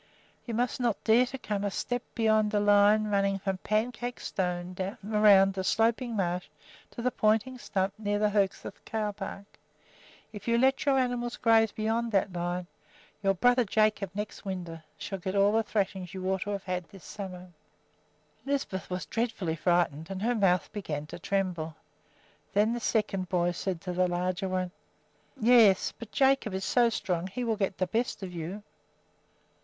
You must not dare to come a step beyond a line running from Pancake Stone down around the Sloping Marsh to the Pointing Stump near the Hoegseth cow path. If you let your animals graze beyond that line, your brother Jacob, next winter, shall get all the thrashings you ought to have this summer." Lisbeth was dreadfully frightened and her mouth began to tremble. Then the second boy said to the larger one, "Yes, but Jacob is so strong that he will get the best of you."